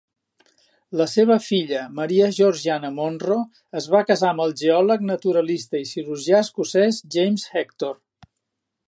La seva filla, Maria Georgiana Monro, es va casar amb el geòleg, naturalista i cirurgià escocès James Hector.